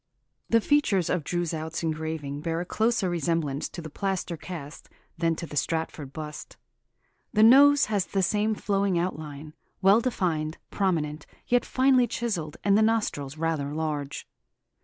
"The features of Droeshout's engraving bear a closer resemblance to the plaster cast than to the Stratford bust. The nose has the same flowing outline, well defined, prominent, yet finely chiselled, and the nostrils rather large.